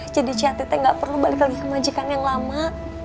jadi ciyatita gak perlu balik lagi ke majikan yang lama